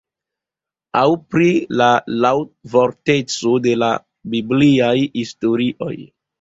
Aŭ pri la laŭvorteco de la bibliaj historioj.